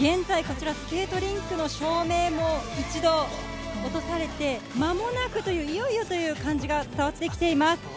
現在、こちら、スケートリンクの照明も一度落とされて、間もなくという、いよいよという感じが伝わってきています。